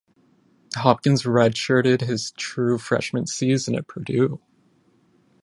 Hopkins redshirted his true freshman season at Purdue.